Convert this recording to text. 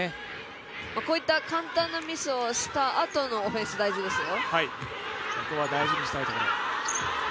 こういった簡単なミスをしたあとのオフェンス、大事ですよ。